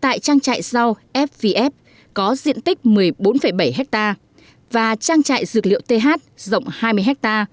tại trang trại rau fvf có diện tích một mươi bốn bảy hectare và trang trại dược liệu th rộng hai mươi hectare